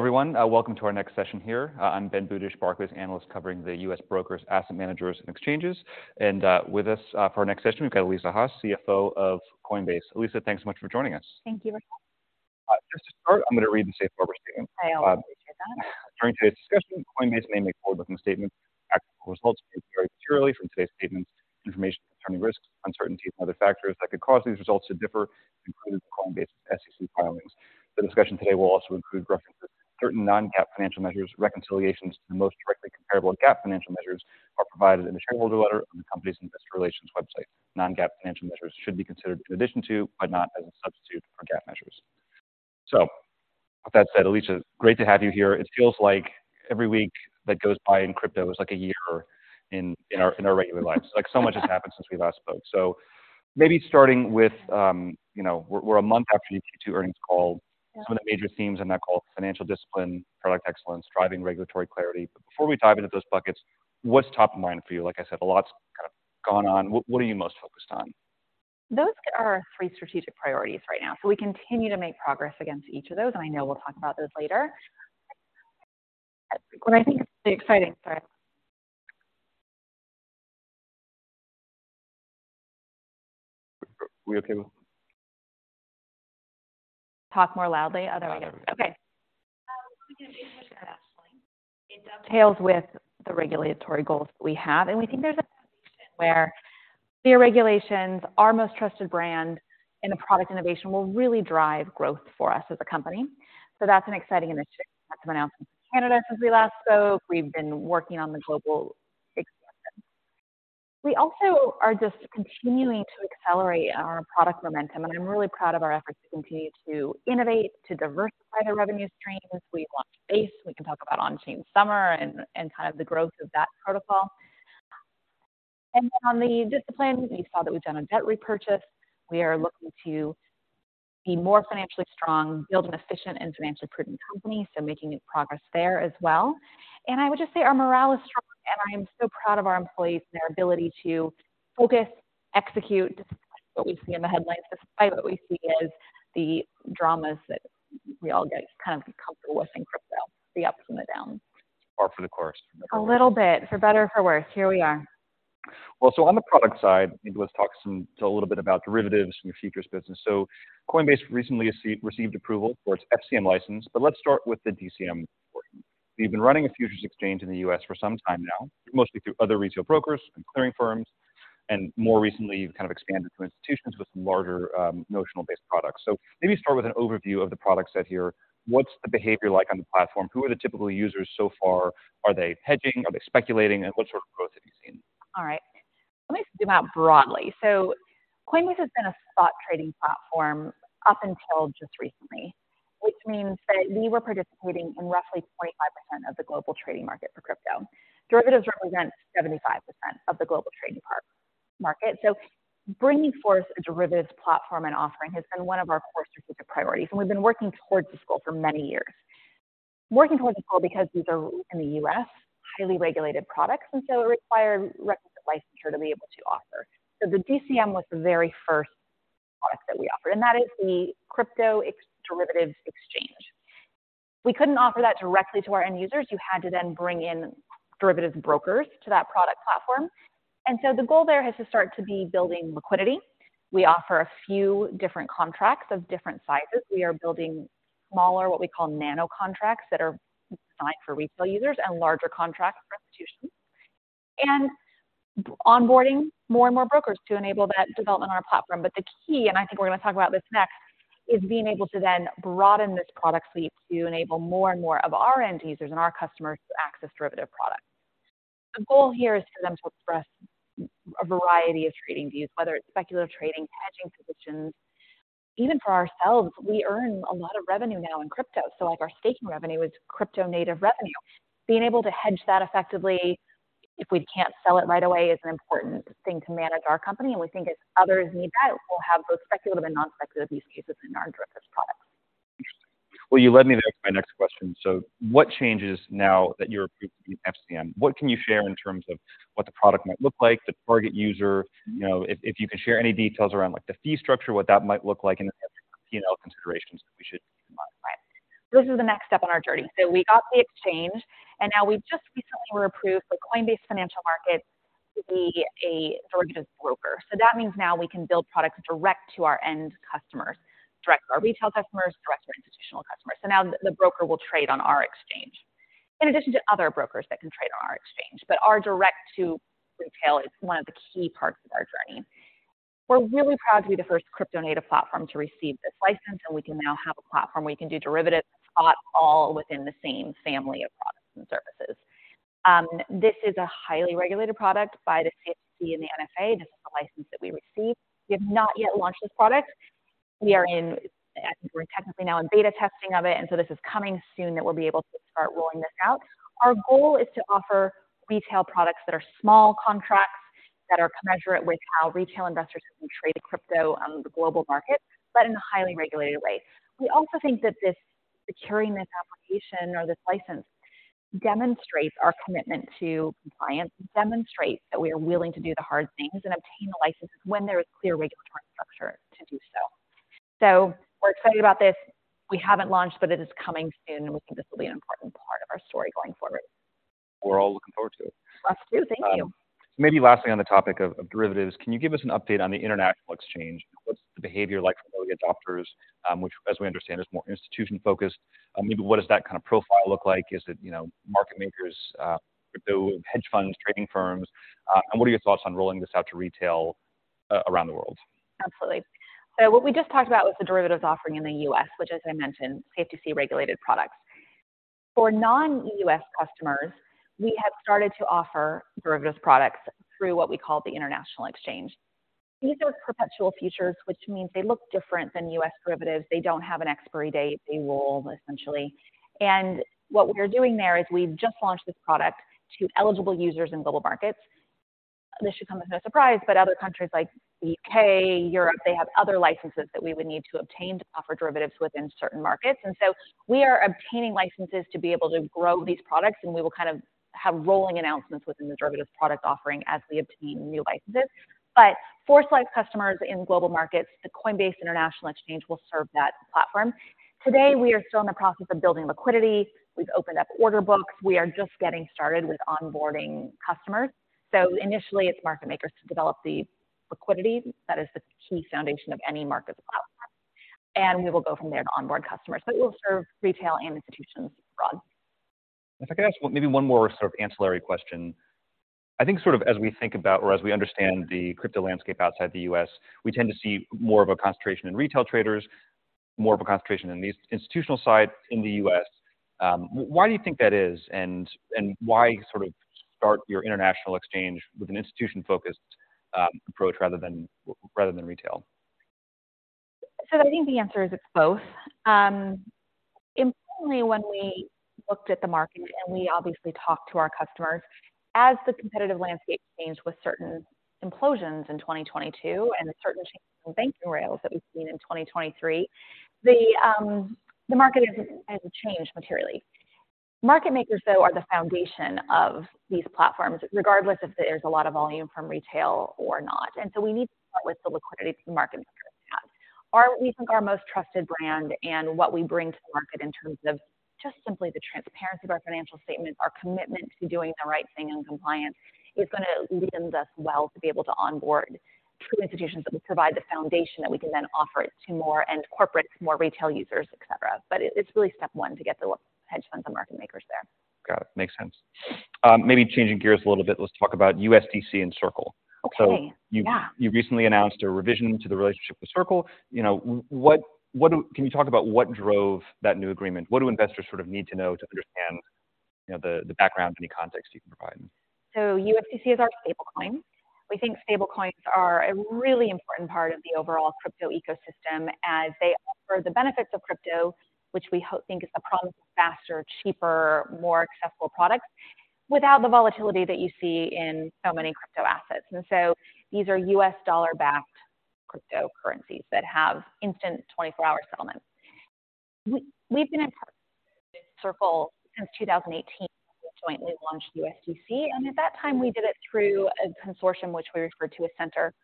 Hello, everyone. Welcome to our next session here. I'm Ben Budish, Barclays analyst, covering the U.S. brokers, asset managers, and exchanges. With us, for our next session, we've got Alesia Haas, CFO of Coinbase. Alesia, thanks so much for joining us. Thank you. Just to start, I'm gonna read the safe harbor statement. I always appreciate that. During today's discussion, Coinbase may make forward-looking statements. Actual results may differ materially from today's statements. Information concerning risks, uncertainties, and other factors that could cause these results to differ, including Coinbase SEC filings. The discussion today will also include references to certain non-GAAP financial measures, reconciliations, and the most directly comparable GAAP financial measures are provided in the shareholder letter on the company's investor relations website. Non-GAAP financial measures should be considered in addition to, but not as a substitute for GAAP measures. So with that said, Alesia, great to have you here. It feels like every week that goes by in crypto is like a year in our regular lives. Like, so much has happened since we last spoke. So maybe starting with, you know, we're a month after Q2 earnings call. Yeah. Some of the major themes in that call, financial discipline, product excellence, driving regulatory clarity. But before we dive into those buckets, what's top of mind for you? Like I said, a lot's kind of gone on. What, what are you most focused on? Those are our three strategic priorities right now, so we continue to make progress against each of those, and I know we'll talk about those later. What I think is the exciting. Sorry. We okay? Talk more loudly, otherwise- Yeah. Okay. Actually, it dovetails with the regulatory goals that we have, and we think there's a foundation where clear regulations, our most trusted brand, and the product innovation will really drive growth for us as a company. So that's an exciting initiative to announce in Canada since we last spoke. We've been working on the global expansion. We also are just continuing to accelerate our product momentum, and I'm really proud of our efforts to continue to innovate, to diversify the revenue streams. We've launched Base, we can talk about Onchain Summer and, and kind of the growth of that protocol. And then on the discipline, you saw that we've done a debt repurchase. We are looking to be more financially strong, build an efficient and financially prudent company, so making good progress there as well. I would just say our morale is strong, and I am so proud of our employees and their ability to focus, execute what we see in the headlines, despite what we see as the dramas that we all get kind of comfortable with in crypto, the ups and the downs. Par for the course. A little bit, for better or for worse, here we are. Well, so on the product side, maybe let's talk some, a little bit about derivatives and your futures business. So Coinbase recently received approval for its FCM license, but let's start with the DCM portion. So you've been running a futures exchange in the U.S. for some time now, mostly through other retail brokers and clearing firms, and more recently, you've kind of expanded to institutions with some larger, notional-based products. So maybe start with an overview of the product set here. What's the behavior like on the platform? Who are the typical users so far? Are they hedging? Are they speculating, and what sort of growth have you seen? All right. Let me zoom out broadly. So Coinbase has been a spot trading platform up until just recently, which means that we were participating in roughly 25% of the global trading market for crypto. Derivatives represent 75% of the global trading market, so bringing forth a derivatives platform and offering has been one of our core strategic priorities, and we've been working towards this goal for many years. Working towards this goal, because these are in the U.S., highly regulated products, and so it required requisite licensure to be able to offer. So the DCM was the very first product that we offered, and that is the crypto derivatives exchange. We couldn't offer that directly to our end users. You had to then bring in derivatives brokers to that product platform, and so the goal there has to start to be building liquidity. We offer a few different contracts of different sizes. We are building smaller, what we call nano contracts, that are designed for retail users and larger contracts for institutions. And onboarding more and more brokers to enable that development on our platform. But the key, and I think we're going to talk about this next, is being able to then broaden this product suite to enable more and more of our end users and our customers to access derivative products. The goal here is for them to express a variety of trading views, whether it's speculative trading, hedging positions. Even for ourselves, we earn a lot of revenue now in crypto, so like our staking revenue is crypto native revenue. Being able to hedge that effectively if we can't sell it right away is an important thing to manage our company, and we think as others need that, we'll have both speculative and non-speculative use cases in our derivatives products. Well, you led me to my next question. So what changes now that you're approved to be an FCM? What can you share in terms of what the product might look like, the target user? You know, if you can share any details around, like, the fee structure, what that might look like and, you know, considerations that we should modify. This is the next step on our journey. So we got the exchange, and now we've just recently were approved for Coinbase Financial Markets to be a derivative broker. So that means now we can build products direct to our end customers, direct to our retail customers, direct to our institutional customers. So now the broker will trade on our exchange, in addition to other brokers that can trade on our exchange, but our direct to retail is one of the key parts of our journey. We're really proud to be the first crypto native platform to receive this license, and we can now have a platform where we can do derivatives, spot all within the same family of products and services. This is a highly regulated product by the CFTC and the NFA. This is a license that we received. We have not yet launched this product. We are in, I think we're technically now in beta testing of it, and so this is coming soon that we'll be able to start rolling this out. Our goal is to offer retail products that are small contracts, that are commensurate with how retail investors can trade crypto on the global market, but in a highly regulated way. We also think that this, securing this application or this license, demonstrates our commitment to compliance, demonstrates that we are willing to do the hard things and obtain the licenses when there is clear regulatory infrastructure to do so. So we're excited about this. We haven't launched, but it is coming soon, and we think this will be an important part of our story going forward. We're all looking forward to it. Us, too. Thank you. Maybe lastly, on the topic of derivatives, can you give us an update on the International Exchange? What's the behavior like from early adopters, which as we understand, is more institution-focused? Maybe what does that kind of profile look like? Is it, you know, market makers, crypto, hedge funds, trading firms? And what are your thoughts on rolling this out to retail, around the world? Absolutely. So what we just talked about was the derivatives offering in the U.S., which, as I mentioned, SEC-regulated products. For non-U.S. customers, we have started to offer derivatives products through what we call the International Exchange. These are perpetual futures, which means they look different than U.S. derivatives. They don't have an expiry date. They roll, essentially. And what we're doing there is we've just launched this product to eligible users in global markets. This should come as no surprise, but other countries like the U.K., Europe, they have other licenses that we would need to obtain to offer derivatives within certain markets. And so we are obtaining licenses to be able to grow these products, and we will kind of have rolling announcements within the derivatives product offering as we obtain new licenses. But for select customers in global markets, the Coinbase International Exchange will serve that platform. Today, we are still in the process of building liquidity. We've opened up order books. We are just getting started with onboarding customers. So initially, it's market makers to develop the liquidity. That is the key foundation of any markets platform, and we will go from there to onboard customers. So it will serve retail and institutions abroad. If I could ask maybe one more sort of ancillary question. I think sort of as we think about or as we understand the crypto landscape outside the U.S., we tend to see more of a concentration in retail traders, more of a concentration in the institutional side in the U.S. Why do you think that is, and why sort of start your international exchange with an institution-focused approach rather than retail? So I think the answer is it's both. Importantly, when we looked at the market and we obviously talked to our customers, as the competitive landscape changed with certain implosions in 2022 and the certain changes in banking rails that we've seen in 2023, the market has changed materially. Market makers, though, are the foundation of these platforms, regardless if there's a lot of volume from retail or not, and so we need to start with the liquidity the market makers have. I think our most trusted brand and what we bring to the market in terms of just simply the transparency of our financial statements, our commitment to doing the right thing, and compliance is going to lend us well to be able to onboard institutions that we provide the foundation that we can then offer it to more institutional, more retail users, et cetera. But it's really step one to get the hedge funds and market makers there. Got it. Makes sense. Maybe changing gears a little bit, let's talk about USDC and Circle. Okay, yeah. So you recently announced a revision to the relationship with Circle. You know, can you talk about what drove that new agreement? What do investors sort of need to know to understand, you know, the background, any context you can provide? So USDC is our stablecoin. We think stablecoins are a really important part of the overall crypto ecosystem as they offer the benefits of crypto, which we hope think is a promising, faster, cheaper, more accessible product, without the volatility that you see in so many crypto assets. And so these are US dollar-backed cryptocurrencies that have instant 24-hour settlement. We've been in Circle since 2018, when we jointly launched USDC, and at that time, we did it through a consortium, which we referred to as Centre.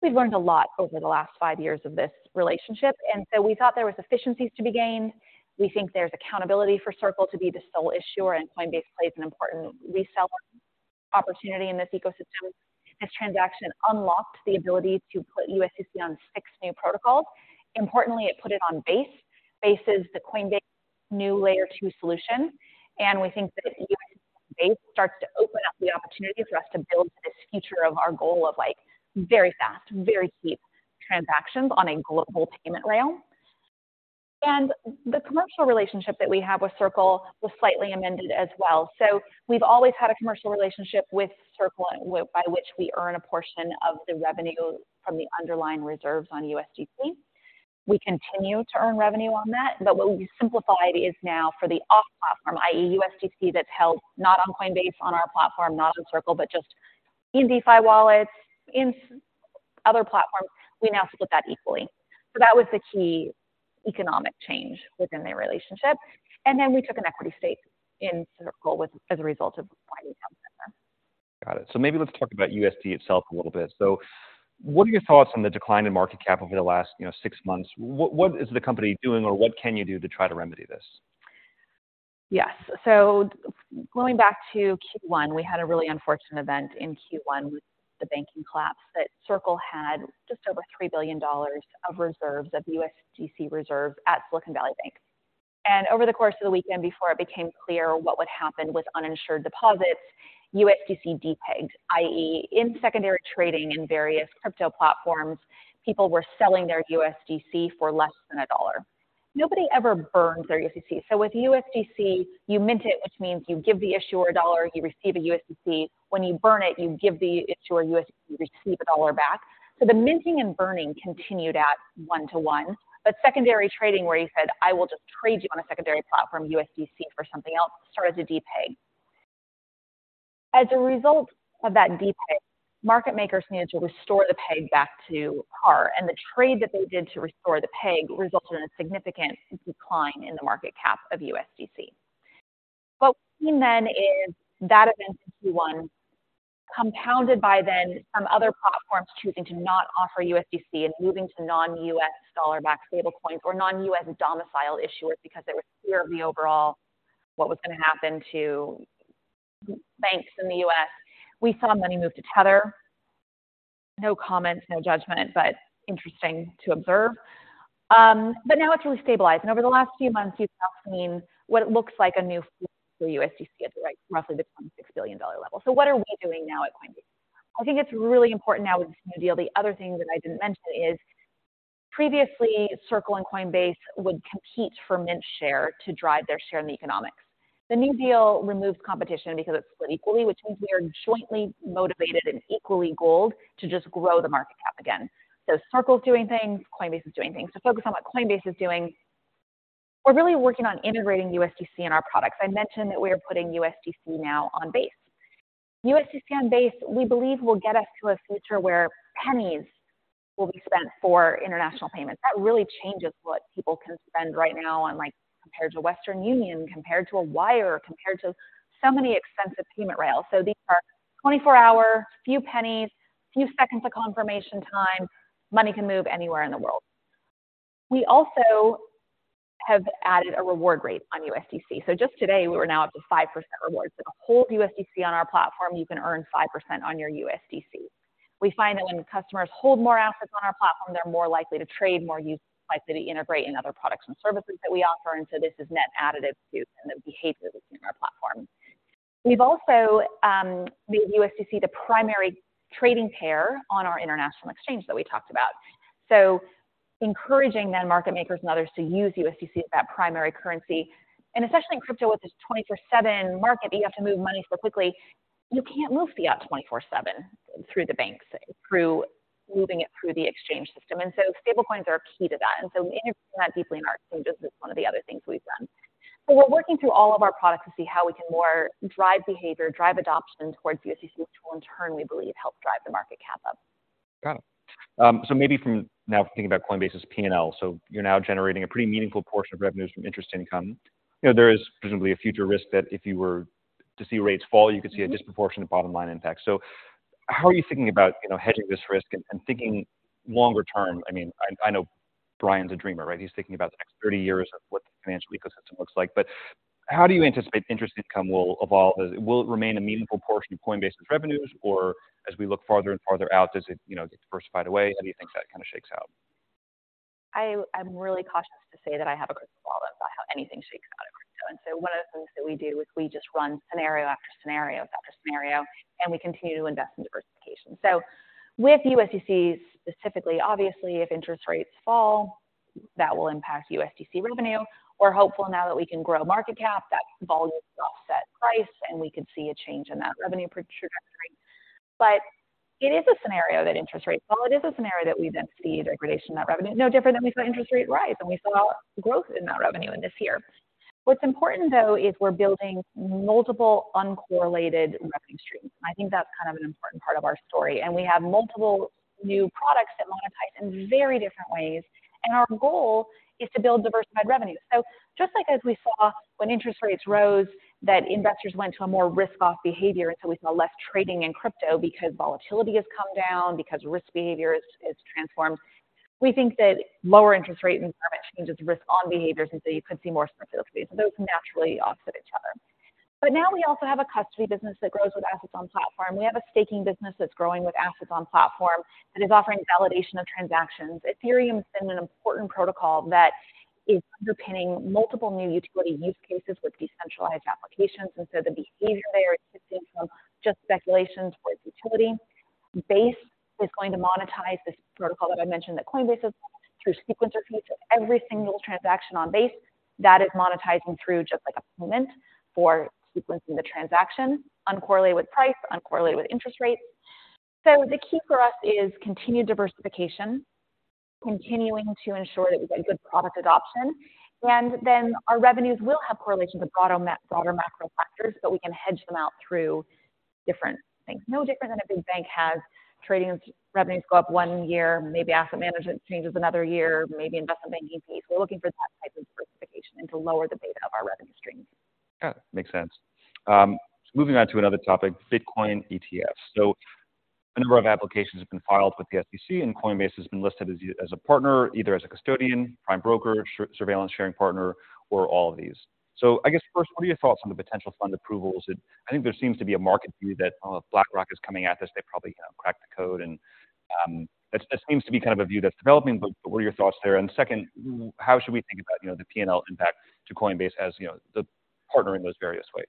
We've learned a lot over the last five years of this relationship, and so we thought there was efficiencies to be gained. We think there's accountability for Circle to be the sole issuer, and Coinbase plays an important reseller opportunity in this ecosystem. This transaction unlocked the ability to put USDC on six new protocols. Importantly, it put it on Base. Base is the Coinbase new Layer 2 solution, and we think that it starts to open up the opportunity for us to build this future of our goal of like, very fast, very cheap transactions on a global payment rail. And the commercial relationship that we have with Circle was slightly amended as well. So we've always had a commercial relationship with Circle, by which we earn a portion of the revenue from the underlying reserves on USDC. We continue to earn revenue on that, but what we simplified is now for the off platform, i.e., USDC, that's held not on Coinbase, on our platform, not on Circle, but just in DeFi wallets, in other platforms, we now split that equally. That was the key economic change within the relationship, and then we took an equity stake in Circle with that as a result of widening our partnership. Got it. So maybe let's talk about USDC itself a little bit. So what are your thoughts on the decline in market cap over the last, you know, six months? What, what is the company doing, or what can you do to try to remedy this? Yes. So going back to Q1, we had a really unfortunate event in Q1 with the banking collapse, that Circle had just over $3 billion of reserves, of USDC reserves at Silicon Valley Bank. And over the course of the weekend, before it became clear what would happen with uninsured deposits, USDC depegged, i.e., in secondary trading in various crypto platforms, people were selling their USDC for less than a dollar. Nobody ever burns their USDC. So with USDC, you mint it, which means you give the issuer a dollar, you receive a USDC. When you burn it, you give the issuer USDC, you receive a dollar back. So the minting and burning continued at 1 to 1, but secondary trading, where you said, "I will just trade you on a secondary platform, USDC, for something else," started to depeg. As a result of that depeg, market makers needed to restore the peg back to par, and the trade that they did to restore the peg resulted in a significant decline in the market cap of USDC. What we've seen then is that event in 2021, compounded by then some other platforms choosing to not offer USDC and moving to non-US dollar-backed stable coins or non-US domicile issuers because there was fear of the overall, what was gonna happen to banks in the US. We saw money move to Tether. No comments, no judgment, but interesting to observe. But now it's really stabilized. Over the last few months, we've now seen what it looks like: a new USDC at the right, roughly the $26 billion level. So what are we doing now at Coinbase? I think it's really important now with this new deal. The other thing that I didn't mention is previously, Circle and Coinbase would compete for mint share to drive their share in the economics. The new deal removes competition because it's split equally, which means we are jointly motivated and equally goaled to just grow the market cap again. So Circle's doing things, Coinbase is doing things. To focus on what Coinbase is doing, we're really working on integrating USDC in our products. I mentioned that we are putting USDC now on Base. USDC on Base, we believe, will get us to a future where pennies will be spent for international payments. That really changes what people can spend right now on, like, compared to Western Union, compared to a wire, compared to so many expensive payment rails. So these are 24-hour, few pennies, few seconds of confirmation time, money can move anywhere in the world. We also have added a reward rate on USDC. So just today, we are now up to 5% rewards. If you hold USDC on our platform, you can earn 5% on your USDC. We find that when customers hold more assets on our platform, they're more likely to trade, more likely to integrate in other products and services that we offer, and so this is net additive to the behavior we see in our platform. We've also made USDC the primary trading pair on our international exchange that we talked about. So encouraging then market makers and others to use USDC as that primary currency, and especially in crypto, with this 24/7 market, that you have to move money so quickly. You can't move fiat 24/7 through the banks, through moving it through the exchange system. And so stable coins are key to that. And so integrating that deeply in our exchanges is one of the other things we've done. So we're working through all of our products to see how we can more drive behavior, drive adoption towards USDC, which will in turn, we believe, help drive the market cap up. Got it. So maybe from now thinking about Coinbase's P&L, so you're now generating a pretty meaningful portion of revenues from interest income. You know, there is presumably a future risk that if you were to see rates fall, you could see a disproportionate bottom-line impact. So how are you thinking about, you know, hedging this risk and thinking longer term? I mean, I know Brian's a dreamer, right? He's thinking about the next 30 years of what the financial ecosystem looks like. But how do you anticipate interest income will evolve? Will it remain a meaningful portion of Coinbase's revenues, or as we look farther and farther out, does it, you know, get diversified away? How do you think that kind of shakes out? I'm really cautious to say that I have a crystal ball about how anything shakes out in crypto. And so one of the things that we do is we just run scenario after scenario after scenario, and we continue to invest in diversification. So with USDC specifically, obviously, if interest rates fall, that will impact USDC revenue. We're hopeful now that we can grow market cap, that volume will offset price, and we could see a change in that revenue trajectory. But it is a scenario that interest rates, well, it is a scenario that we then see degradation in that revenue, no different than we saw interest rates rise, and we saw growth in that revenue in this year. What's important, though, is we're building multiple uncorrelated revenue streams. I think that's kind of an important part of our story, and we have multiple new products that monetize in very different ways, and our goal is to build diversified revenues. So just like as we saw when interest rates rose, that investors went to a more risk-off behavior, and so we saw less trading in crypto because volatility has come down, because risk behavior is transformed. We think that lower interest rate environment changes risk on behaviors, and so you could see more speculative behavior. So those naturally offset each other. But now we also have a custody business that grows with assets on platform. We have a staking business that's growing with assets on platform, that is offering validation of transactions. Ethereum has been an important protocol that is underpinning multiple new utility use cases with decentralized applications, and so the behavior there is shifting from just speculations towards utility. Base is going to monetize this protocol that I mentioned, that Coinbase has through sequencer fees. So every single transaction on Base, that is monetizing through just like a payment for sequencing the transaction, uncorrelated with price, uncorrelated with interest rates. So the key for us is continued diversification, continuing to ensure that we get good product adoption, and then our revenues will have correlations with broader, broader macro factors, but we can hedge them out through different things. No different than a big bank has trading revenues go up one year, maybe asset management changes another year, maybe investment banking fees. We're looking for that type of diversification and to lower the beta of our revenue streams. Yeah, makes sense. Moving on to another topic, Bitcoin ETFs. So a number of applications have been filed with the SEC, and Coinbase has been listed as a partner, either as a custodian, Prime broker, surveillance sharing partner, or all of these. So I guess first, what are your thoughts on the potential fund approvals? I think there seems to be a market view that BlackRock is coming at this. They probably kind of cracked the code, and that seems to be kind of a view that's developing. But what are your thoughts there? And second, how should we think about, you know, the P&L impact to Coinbase as, you know, the partner in those various ways?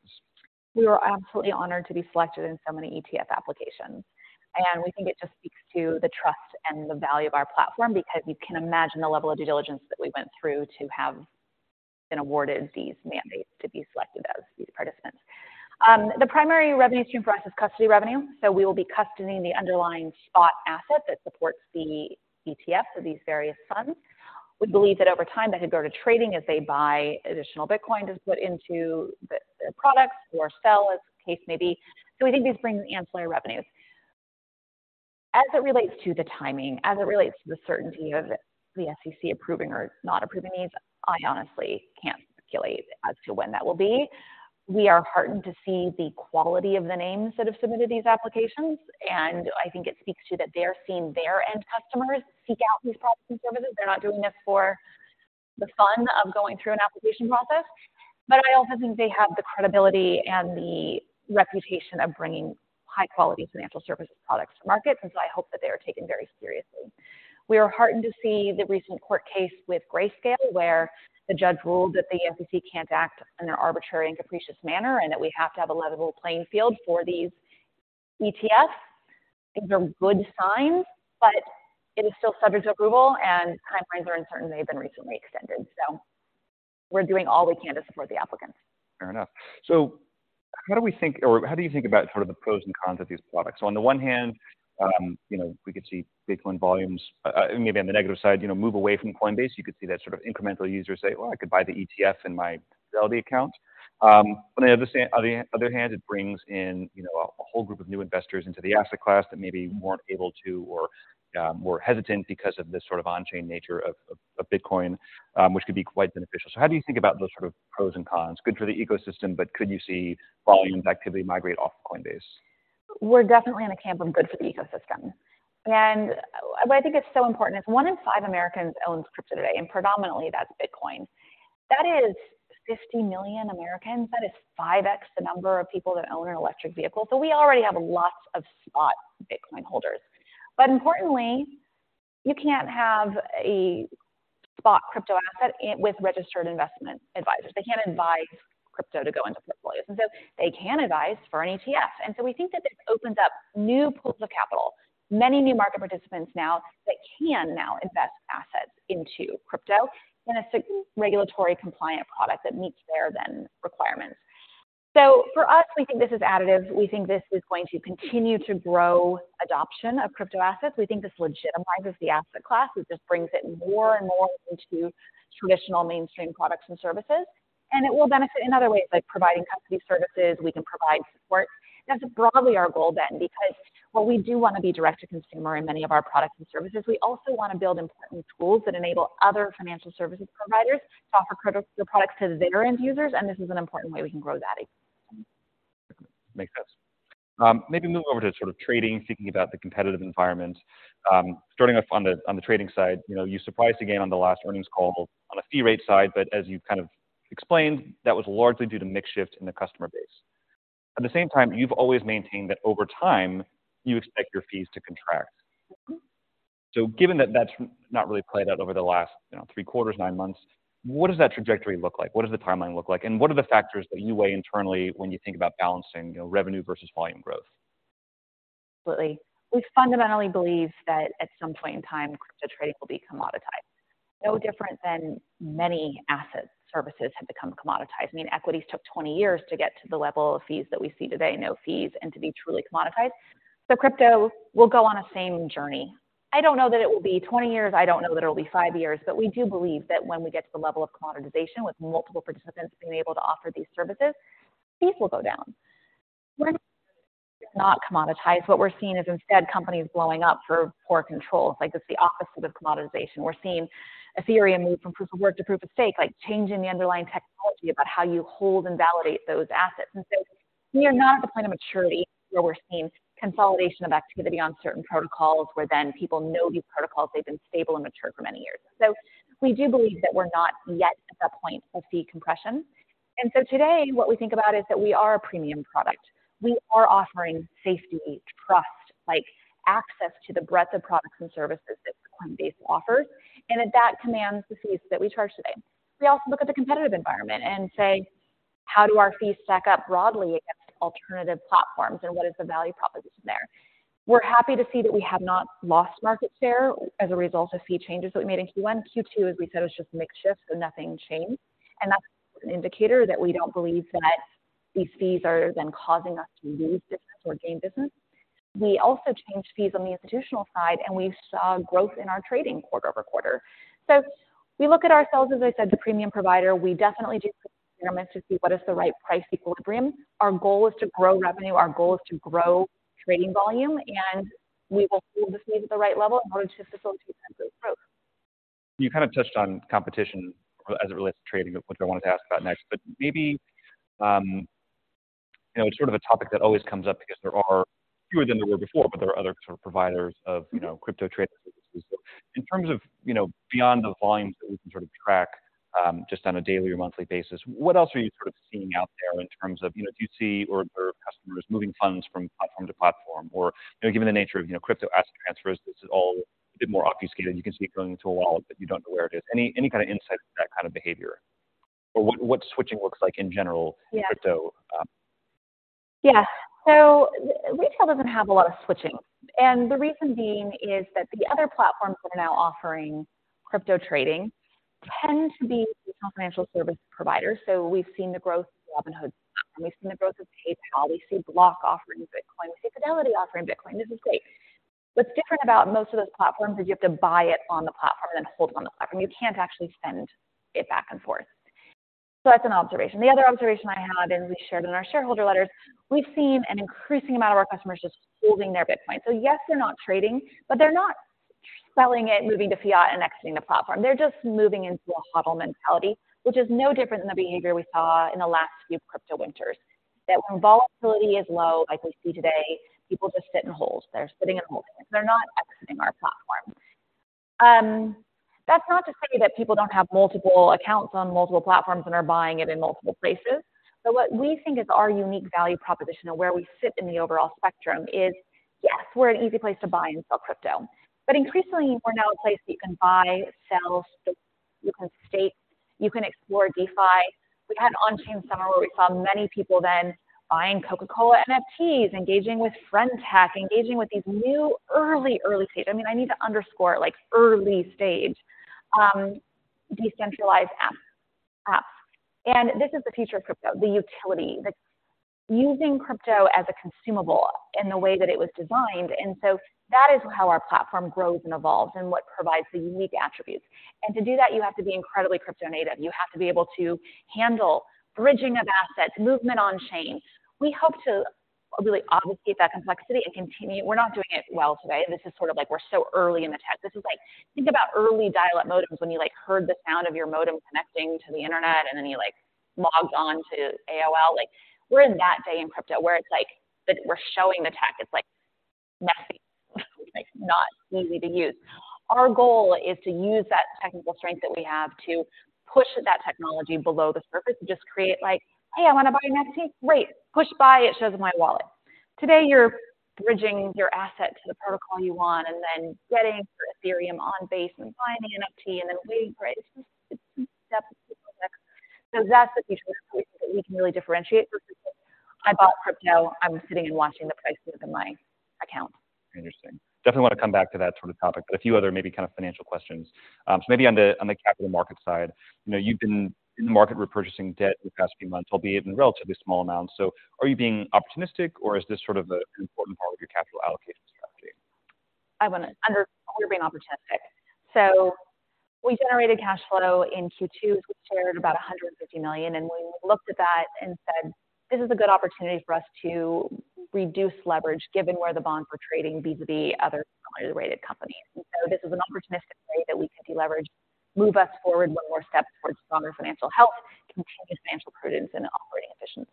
We were absolutely honored to be selected in so many ETF applications, and we think it just speaks to the trust and the value of our platform because you can imagine the level of due diligence that we went through to have been awarded these mandates to be selected as these participants. The primary revenue stream for us is custody revenue, so we will be custodying the underlying spot asset that supports the ETF for these various funds.... We believe that over time, that could go to trading as they buy additional Bitcoin to put into the products or sell, as the case may be. So we think these bring ancillary revenues. As it relates to the timing, as it relates to the certainty of the SEC approving or not approving these, I honestly can't speculate as to when that will be. We are heartened to see the quality of the names that have submitted these applications, and I think it speaks to that they're seeing their end customers seek out these products and services. They're not doing this for the fun of going through an application process. But I also think they have the credibility and the reputation of bringing high-quality financial services products to market, and so I hope that they are taken very seriously. We are heartened to see the recent court case with Grayscale, where the judge ruled that the SEC can't act in an arbitrary and capricious manner, and that we have to have a level playing field for these ETFs. These are good signs, but it is still subject to approval, and timelines are uncertain. They've been recently extended, so we're doing all we can to support the applicants. Fair enough. So how do we think, or how do you think about sort of the pros and cons of these products? So on the one hand, you know, we could see Bitcoin volumes, maybe on the negative side, you know, move away from Coinbase. You could see that sort of incremental users say, "Well, I could buy the ETF in my Fidelity account." On the other hand, it brings in, you know, a whole group of new investors into the asset class that maybe weren't able to or, more hesitant because of the sort of on-chain nature of Bitcoin, which could be quite beneficial. So how do you think about those sort of pros and cons? Good for the ecosystem, but could you see volumes actively migrate off Coinbase? We're definitely in a camp of good for the ecosystem, and I think it's so important. If one in five Americans owns crypto today, and predominantly that's Bitcoin, that is 50 million Americans. That is 5x the number of people that own an electric vehicle. So we already have lots of spot Bitcoin holders. But importantly, you can't have a spot crypto asset with registered investment advisors. They can't advise crypto to go into portfolios, and so they can advise for an ETF. And so we think that this opens up new pools of capital, many new market participants now that can now invest assets into crypto in a regulatory compliant product that meets their then requirements. So for us, we think this is additive. We think this is going to continue to grow adoption of crypto assets. We think this legitimizes the asset class. It just brings it more and more into traditional mainstream products and services, and it will benefit in other ways, like providing custody services, we can provide support. That's broadly our goal then, because while we do want to be direct to consumer in many of our products and services, we also want to build important tools that enable other financial services providers to offer credit products to their end users, and this is an important way we can grow that ecosystem. Makes sense. Maybe move over to sort of trading, thinking about the competitive environment. Starting off on the, on the trading side, you know, you surprised again on the last earnings call on a fee rate side, but as you kind of explained, that was largely due to mix shift in the customer base. At the same time, you've always maintained that over time, you expect your fees to contract. Mm-hmm. So given that that's not really played out over the last, you know, three quarters, nine months, what does that trajectory look like? What does the timeline look like, and what are the factors that you weigh internally when you think about balancing, you know, revenue versus volume growth? Absolutely. We fundamentally believe that at some point in time, crypto trading will be commoditized. No different than many asset services have become commoditized. I mean, equities took 20 years to get to the level of fees that we see today, no fees, and to be truly commoditized. So crypto will go on a same journey. I don't know that it will be 20 years, I don't know that it'll be 5 years, but we do believe that when we get to the level of commoditization, with multiple participants being able to offer these services, fees will go down. Not commoditize. What we're seeing is instead, companies blowing up for poor controls. Like, it's the opposite of commoditization. We're seeing Ethereum move from proof of work to proof of stake, like changing the underlying technology about how you hold and validate those assets. And so we are not at the point of maturity where we're seeing consolidation of activity on certain protocols, where then people know these protocols, they've been stable and mature for many years. So we do believe that we're not yet at the point of fee compression. And so today, what we think about is that we are a premium product. We are offering safety, trust, like access to the breadth of products and services that Coinbase offers, and that commands the fees that we charge today. We also look at the competitive environment and say: How do our fees stack up broadly against alternative platforms, and what is the value proposition there? We're happy to see that we have not lost market share as a result of fee changes that we made in Q1. Q2, as we said, was just mix shift, so nothing changed, and that's an indicator that we don't believe that these fees are then causing us to lose business or gain business. We also changed fees on the institutional side, and we saw growth in our trading quarter-over-quarter. So we look at ourselves, as I said, the premium provider. We definitely do experiments to see what is the right price equilibrium. Our goal is to grow revenue, our goal is to grow trading volume, and we will hold this fee at the right level in order to facilitate that growth. You kind of touched on competition as it relates to trading, which I wanted to ask about next, but maybe, you know, sort of a topic that always comes up because there are fewer than there were before, but there are other sort of providers of, you know, crypto trading services. So in terms of, you know, beyond the volumes that we can sort of track, just on a daily or monthly basis, what else are you sort of seeing out there in terms of, you know, do you see or, or customers moving funds from platform to platform? Or, you know, given the nature of, you know, crypto asset transfers, this is all a bit more obfuscated. You can see it going into a wallet, but you don't know where it is. Any kind of insight into that kind of behavior, or what switching looks like in general in crypto? Yeah. So retail doesn't have a lot of switching, and the reason being is that the other platforms that are now offering crypto trading tend to be retail financial service providers. So we've seen the growth of Robinhood, and we've seen the growth of PayPal. We see Block offering Bitcoin. We see Fidelity offering Bitcoin. This is great. What's different about most of those platforms is you have to buy it on the platform and then hold it on the platform. You can't actually send it back and forth. So that's an observation. The other observation I have, and we shared in our shareholder letters, we've seen an increasing amount of our customers just holding their Bitcoin. So yes, they're not trading, but they're not selling it, moving to fiat, and exiting the platform. They're just moving into a HODL mentality, which is no different than the behavior we saw in the last few crypto winters. That when volatility is low, like we see today, people just sit and hold. They're sitting and holding. They're not exiting our platform. That's not to say that people don't have multiple accounts on multiple platforms and are buying it in multiple places. But what we think is our unique value proposition of where we sit in the overall spectrum is, yes, we're an easy place to buy and sell crypto. But increasingly, we're now a place you can buy, sell, you can stake, you can explore DeFi. We've had an Onchain Summer where we saw many people then buying Coca-Cola NFTs, engaging with friend.tech, engaging with these new, early, early stage—I mean, I need to underscore, like, early stage, decentralized app, apps. This is the future of crypto, the utility, the using crypto as a consumable in the way that it was designed. So that is how our platform grows and evolves and what provides the unique attributes. And to do that, you have to be incredibly crypto-native. You have to be able to handle bridging of assets, movement on chain. We hope to really obfuscate that complexity and continue. We're not doing it well today. This is sort of like we're so early in the tech. This is like, think about early dial-up modems when you, like, heard the sound of your modem connecting to the internet, and then you, like, logged on to AOL. Like, we're in that day in crypto where it's like, that we're showing the tech. It's, like, messy, like, not easy to use. Our goal is to use that technical strength that we have to push that technology below the surface and just create, like, "Hey, I want to buy an NFT." Great. Push buy, it shows in my wallet. Today, you're bridging your asset to the protocol you want and then getting your Ethereum on Base and finding an NFT and then waiting for it. It's just, it's two steps. So that's the future that we can really differentiate for crypto. I bought crypto, I'm sitting and watching the price move in my account. Interesting. Definitely want to come back to that sort of topic, but a few other maybe kind of financial questions. So maybe on the capital market side, you know, you've been in the market repurchasing debt the past few months, albeit in relatively small amounts. So are you being opportunistic, or is this sort of an important part of your capital allocation strategy? We're being opportunistic. So we generated cash flow in Q2, as we shared, about $150 million, and we looked at that and said, "This is a good opportunity for us to reduce leverage, given where the bonds were trading vis-à-vis other similarly rated companies." And so this is an opportunistic way that we could deleverage, move us forward one more step towards stronger financial health, continued financial prudence and operating efficiency.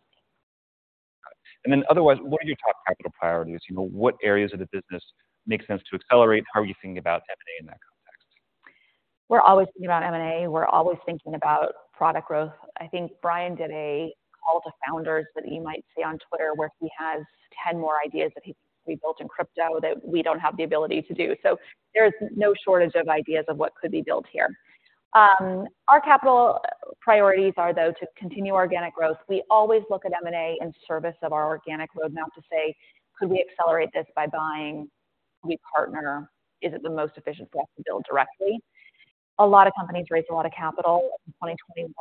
Then otherwise, what are your top capital priorities? You know, what areas of the business make sense to accelerate, and how are you thinking about M&A in that context? We're always thinking about M&A. We're always thinking about product growth. I think Brian did a call to founders that you might see on Twitter, where he has 10 more ideas that he built in crypto that we don't have the ability to do. So there's no shortage of ideas of what could be built here. Our capital priorities are, though, to continue organic growth. We always look at M&A in service of our organic road map to say: Could we accelerate this by buying, we partner? Is it the most efficient for us to build directly? A lot of companies raised a lot of capital in 2021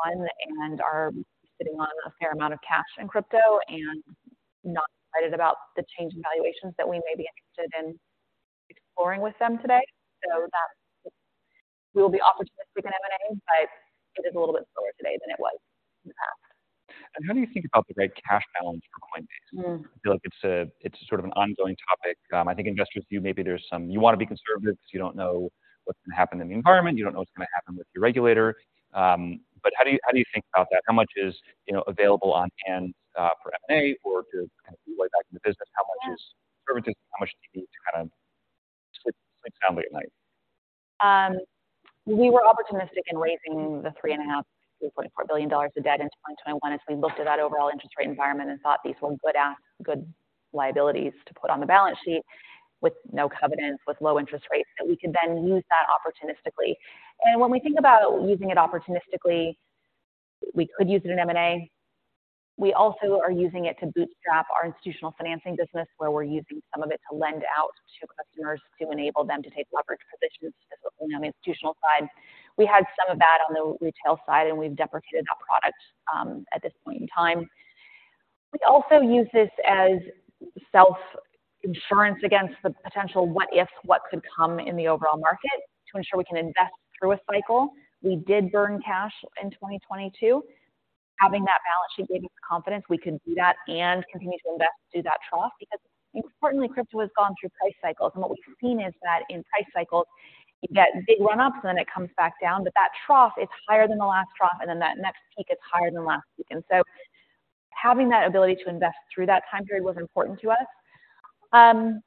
and are sitting on a fair amount of cash in crypto and not excited about the change in valuations that we may be interested in exploring with them today. So that's... We will be opportunistic in M&A, but it is a little bit slower today than it was in the past. How do you think about the right cash balance for Coinbase? Mm. I feel like it's a, it's sort of an ongoing topic. I think investors view maybe there's some— you want to be conservative because you don't know what's going to happen in the environment, you don't know what's going to happen with your regulator. But how do you, how do you think about that? How much is, you know, available on hand, for M&A or to kind of move way back in the business? Yeah. How much is services, how much do you need to kind of sleep soundly at night? We were opportunistic in raising the $3.5 billion, $3.4 billion of debt in 2021, as we looked at that overall interest rate environment and thought these were good liabilities to put on the balance sheet with no covenants, with low interest rates, that we could then use that opportunistically. And when we think about using it opportunistically, we could use it in M&A. We also are using it to bootstrap our institutional financing business, where we're using some of it to lend out to customers to enable them to take leverage positions, specifically on the institutional side. We had some of that on the retail side, and we've deprecated that product, at this point in time. We also use this as self-insurance against the potential what if, what could come in the overall market to ensure we can invest through a cycle. We did burn cash in 2022. Having that balance sheet gave us the confidence we could do that and continue to invest through that trough. Because importantly, crypto has gone through price cycles, and what we've seen is that in price cycles, you get big run-ups, and then it comes back down, but that trough is higher than the last trough, and then that next peak is higher than the last peak. And so having that ability to invest through that time period was important to us. And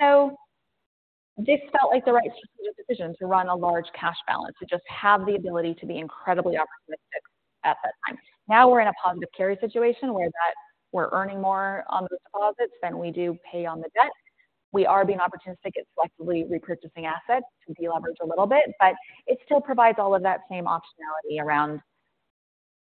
so this felt like the right strategic decision to run a large cash balance, to just have the ability to be incredibly opportunistic at that time. Now we're in a positive carry situation where we're earning more on those deposits than we do pay on the debt. We are being opportunistic and selectively repurchasing assets to deleverage a little bit, but it still provides all of that same optionality around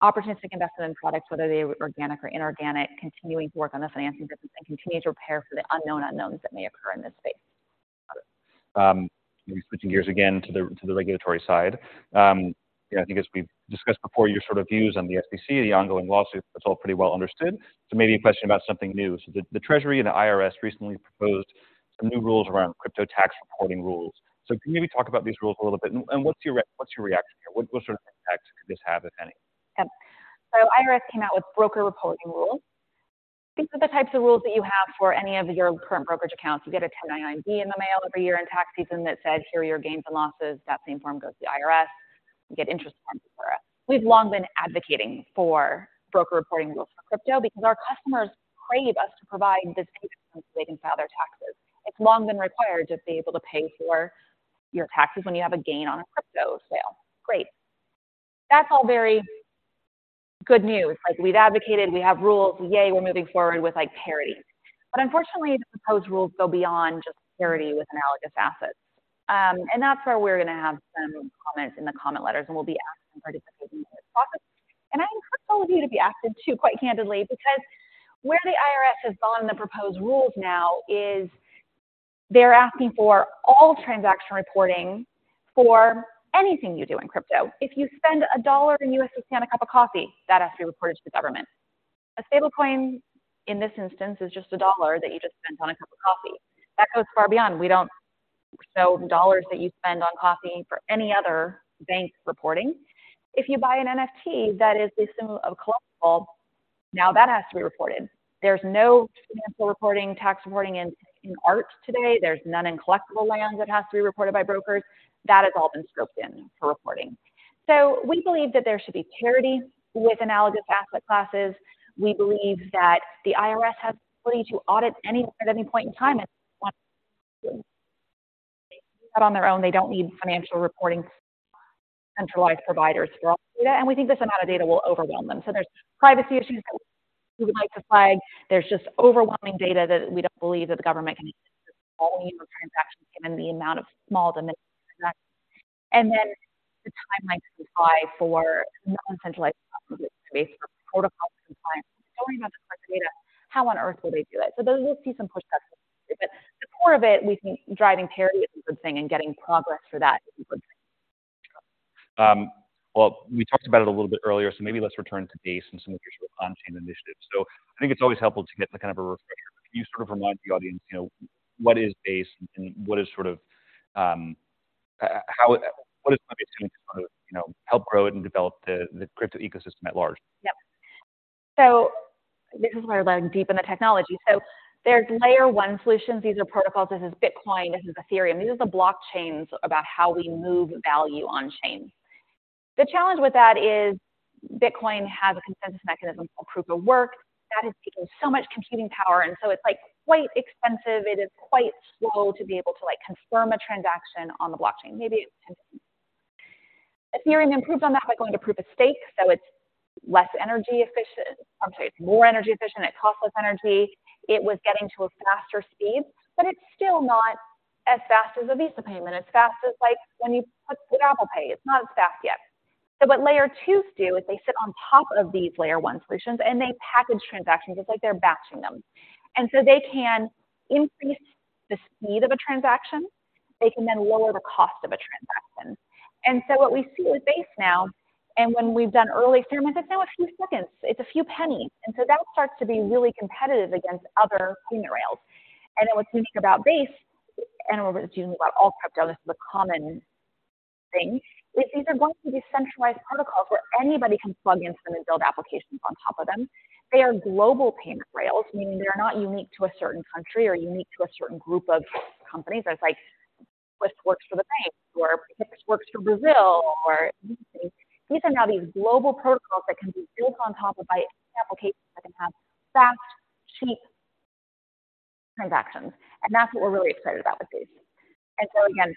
opportunistic investment in products, whether they're organic or inorganic, continuing to work on the financing business, and continue to prepare for the unknown unknowns that may occur in this space. Maybe switching gears again to the regulatory side. I think as we've discussed before, your sort of views on the SEC, the ongoing lawsuit, that's all pretty well understood. So maybe a question about something new. So the Treasury and the IRS recently proposed some new rules around crypto tax reporting rules. So can you maybe talk about these rules a little bit, and what's your reaction here? What sort of impact could this have, if any? Yep. So IRS came out with broker reporting rules. These are the types of rules that you have for any of your current brokerage accounts. You get a 1099 in the mail every year in tax season that said, "Here are your gains and losses." That same form goes to the IRS. You get interest from it. We've long been advocating for broker reporting rules for crypto because our customers crave us to provide this so they can file their taxes. It's long been required to be able to pay for your taxes when you have a gain on a crypto sale. Great. That's all very good news. Like, we've advocated, we have rules, yay, we're moving forward with, like, parity. But unfortunately, the proposed rules go beyond just parity with analogous assets. That's where we're gonna have some comments in the comment letters, and we'll be asking participants. I encourage all of you to be active, too, quite candidly, because where the IRS has gone in the proposed rules now is they're asking for all transaction reporting for anything you do in crypto. If you spend $1 in USDC on a cup of coffee, that has to be reported to the government. A stablecoin, in this instance, is just $1 that you just spent on a cup of coffee. That goes far beyond. We don't show dollars that you spend on coffee for any other bank reporting. If you buy an NFT that is the symbol of collectible, now that has to be reported. There's no financial reporting, tax reporting in art today. There's none in collectible lands that has to be reported by brokers. That has all been scoped in for reporting. So we believe that there should be parity with analogous asset classes. We believe that the IRS has the ability to audit any at any point in time and on their own, they don't need financial reporting, centralized providers for all data, and we think this amount of data will overwhelm them. So there's privacy issues that we would like to flag. There's just overwhelming data that we don't believe that the government can volume of transactions, given the amount of small denominations. And then the timelines apply for non-centralized database for protocol compliance. Don't even have the data. How on earth will they do it? So there's we'll see some pushback. But the core of it, we think driving parity is a good thing and getting progress for that is a good thing. Well, we talked about it a little bit earlier, so maybe let's return to Base and some of your sort of on-chain initiatives. I think it's always helpful to get kind of a refresher. Can you sort of remind the audience, you know, what is Base and what is sort of how what is Coinbase, you know, help grow it and develop the crypto ecosystem at large? Yep. So this is where I learn deep in the technology. So there's Layer 1 solutions. These are protocols. This is Bitcoin, this is Ethereum. These are the blockchains about how we move value on chain. The challenge with that is Bitcoin has a consensus mechanism called Proof of Work. That is taking so much computing power, and so it's, like, quite expensive. It is quite slow to be able to, like, confirm a transaction on the blockchain. Maybe it's... Ethereum improved on that by going to Proof of Stake, so it's less energy efficient. I'm sorry, it's more energy efficient, it costs less energy. It was getting to a faster speed, but it's still not as fast as a Visa payment, as fast as, like, when you put Apple Pay. It's not as fast yet. So what Layer twos do is they sit on top of these Layer one solutions, and they package transactions. It's like they're batching them. And so they can increase the speed of a transaction. They can then lower the cost of a transaction. And so what we see with Base now, and when we've done early experiments, it's now a few seconds, it's a few pennies. And so that starts to be really competitive against other payment rails. And then when thinking about Base, and we're thinking about all crypto, this is a common thing, is these are going to be centralized protocols where anybody can plug into them and build applications on top of them. They are global payment rails, meaning they are not unique to a certain country or unique to a certain group of companies. It's like, this works for the bank, or this works for Brazil, or these are now these global protocols that can be built on top of by applications that can have fast, cheap transactions. That's what we're really excited about with Base. So again,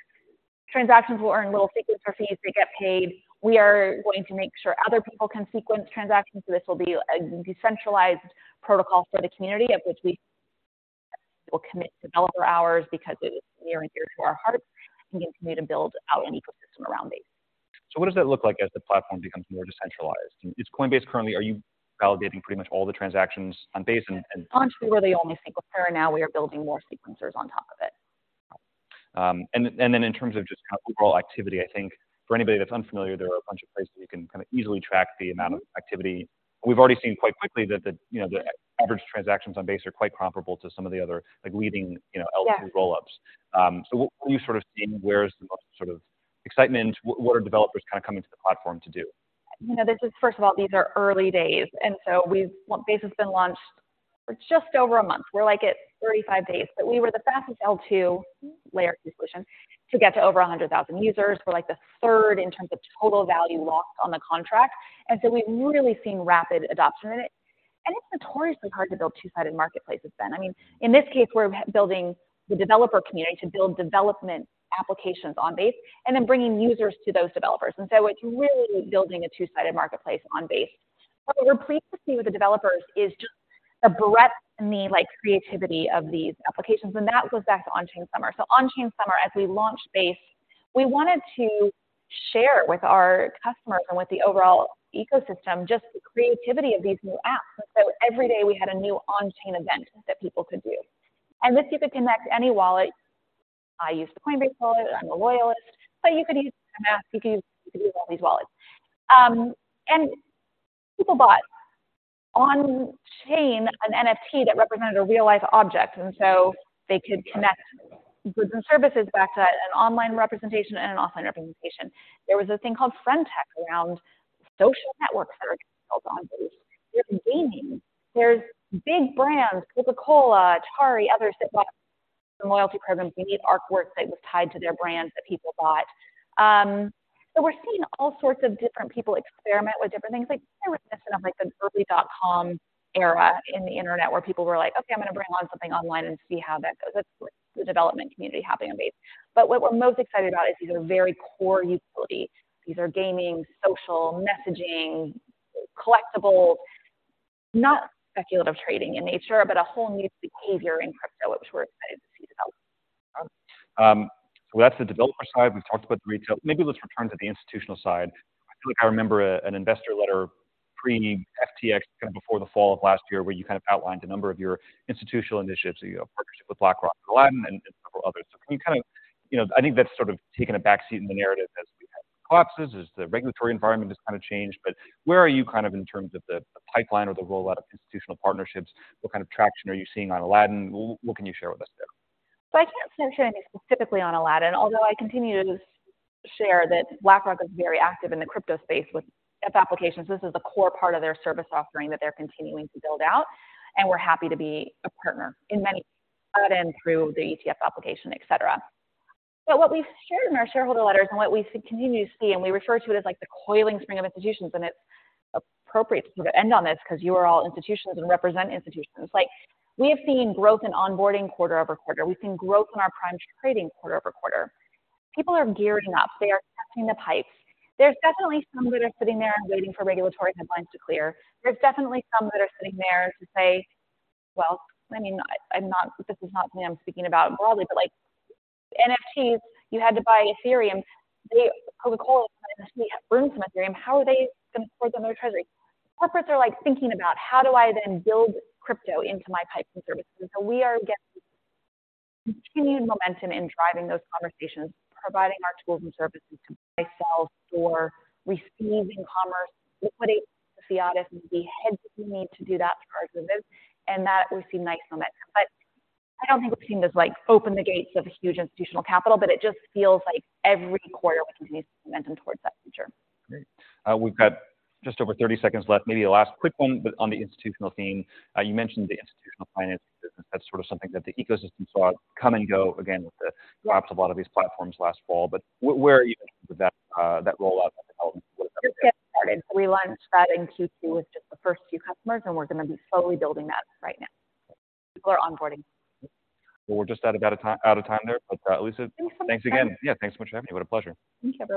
transactions will incur little sequencer fees. They get paid. We are going to make sure other people can sequence transactions, so this will be a decentralized protocol for the community of which we will commit developer hours because it is near and dear to our heart, and continue to build out an ecosystem around Base. So what does that look like as the platform becomes more decentralized? Is Coinbase currently-- are you validating pretty much all the transactions on Base and- We're the only sequencer, now we are building more sequencers on top of it. And then in terms of just kind of overall activity, I think for anybody that's unfamiliar, there are a bunch of places you can kind of easily track the amount of activity. We've already seen quite quickly that, you know, the average transactions on Base are quite comparable to some of the other, like, leading, you know, L2 rollups. Yeah. So what are you sort of seeing? Where is the most sort of excitement? What are developers kind of coming to the platform to do? You know, this is first of all, these are early days, and so Base has been launched for just over a month. We're like at 35 days, but we were the fastest L2 layer solution to get to over 100,000 users. We're like the third in terms of total value locked on the contract, and so we've really seen rapid adoption in it. It's notoriously hard to build two-sided marketplaces then. I mean, in this case, we're building the developer community to build development applications on Base and then bringing users to those developers. So it's really building a two-sided marketplace on Base. What we're pleased to see with the developers is just the breadth and the, like, creativity of these applications, and that goes back to Onchain Summer. So Onchain Summer, as we launched Base, we wanted to share with our customers and with the overall ecosystem, just the creativity of these new apps. And so every day we had a new onchain event that people could do. And this you could connect any wallet. I use the Coinbase Wallet, I'm a loyalist, but you could use Mask, you could use all these wallets. And people bought onchain, an NFT that represented a real-life object, and so they could connect goods and services back to an online representation and an offline representation. There was a thing called friend.tech around social networks that are built on Base. There's gaming. There's big brands, Coca-Cola, Atari, others, that want loyalty programs. We need artwork that was tied to their brands that people bought. So we're seeing all sorts of different people experiment with different things, like I was missing on, like, the early dot-com era in the internet, where people were like, "Okay, I'm gonna bring on something online and see how that goes." That's the development community happening on Base. But what we're most excited about is these are very core utilities. These are gaming, social, messaging, collectibles. Not speculative trading in nature, but a whole new behavior in crypto, which we're excited to see develop. So that's the developer side. We've talked about the retail. Maybe let's return to the institutional side. I feel like I remember an investor letter pre-FTX, kind of before the fall of last year, where you kind of outlined a number of your institutional initiatives. So you have a partnership with BlackRock, Aladdin, and, and several others. So can you kind of, you know, I think that's sort of taken a backseat in the narrative as we've had collapses, as the regulatory environment has kind of changed. But where are you kind of in terms of the, the pipeline or the rollout of institutional partnerships? What kind of traction are you seeing on Aladdin? What can you share with us there? So I can't share anything specifically on Aladdin, although I continue to share that BlackRock is very active in the crypto space with its applications. This is a core part of their service offering that they're continuing to build out, and we're happy to be a partner in many, other than through the ETF application, et cetera. But what we've shared in our shareholder letters and what we continue to see, and we refer to it as like the coiling spring of institutions, and it's appropriate to end on this because you are all institutions and represent institutions. Like, we have seen growth in onboarding quarter-over-quarter. We've seen growth in our Prime trading quarter-over-quarter. People are geared up. They are testing the pipes. There's definitely some that are sitting there and waiting for regulatory headlines to clear. There's definitely some that are sitting there to say, well, I mean, I'm not—this is not me, I'm speaking about broadly, but like, NFTs, you had to buy Ethereum. They, Coca-Cola, initially burned some Ethereum. How are they going to support their own treasury? Corporates are like, thinking about how do I then build crypto into my pipes and services? So we are getting continued momentum in driving those conversations, providing our tools and services to buy, sell, store, receive in commerce, liquidity, the audits, and the heads that we need to do that for our business, and that we see nice on it. But I don't think we've seen this, like, open the gates of huge institutional capital, but it just feels like every quarter we're making momentum towards that future. Great. We've got just over 30 seconds left. Maybe the last quick one, but on the institutional theme, you mentioned the institutional finance business. That's sort of something that the ecosystem saw come and go, again, with the collapse of a lot of these platforms last fall. But where are you with that, that rollout and development? Just getting started. We launched that in Q2 with just the first few customers, and we're going to be slowly building that right now. People are onboarding. Well, we're just out of time there. But, Alesia, thanks again. Thanks so much. Yeah, thanks so much for having me. What a pleasure. Thank you.